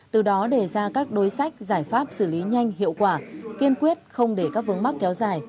từ đó đề ra các đối sách giải pháp xử lý nhanh hiệu quả kiên quyết không để các vướng mắc kéo dài